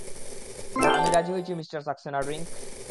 না আমি রাজি হইছি মিস্টার সাক্সেনা, ড্রিংক?